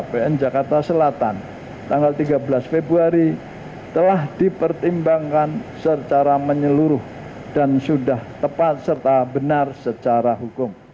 pn jakarta selatan tanggal tiga belas februari telah dipertimbangkan secara menyeluruh dan sudah tepat serta benar secara hukum